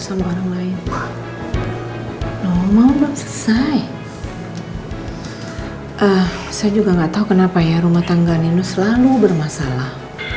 sama orang lain selesai saya juga nggak tahu kenapa ya rumah tangga nenus selalu bermasalah